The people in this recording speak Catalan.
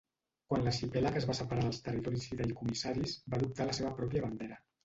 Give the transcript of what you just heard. Quan l'arxipèlag es va separar dels territoris fideïcomissaris va adoptar la seva pròpia bandera.